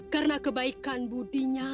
karena kebaikan budinya